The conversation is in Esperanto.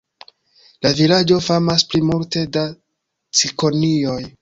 La vilaĝo famas pri multe da cikonioj.